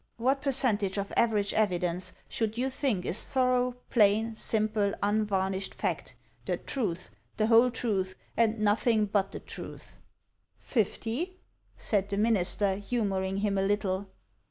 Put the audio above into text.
What percentage of average evidence should you think is thorough, plain, simple, unvarnished fact, 'the truth, the whole truth, and nothing but the truth?' " "Fifty?" said the Minister, humoring him a little.